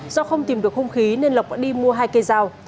do không tìm được hung khí nên lộc đã đi mua hai cây dao